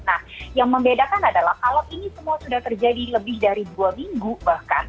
nah yang membedakan adalah kalau ini semua sudah terjadi lebih dari dua minggu bahkan